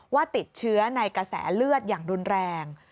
ว่าติดเชื้อในกระแสเลือดอย่างรุนแรง